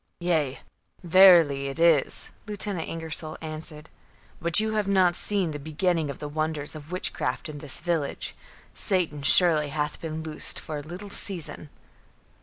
"Yea, verily it is," Lieutenant Ingersol answered; "but you have not seen the beginning of the wonders of witchcraft in this village. Satan surely hath been loosed for a little season."